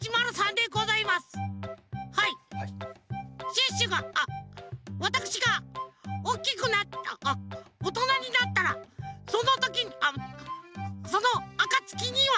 シュッシュがあっわたくしがおっきくなあっおとなになったらそのときにあっそのあかつきには。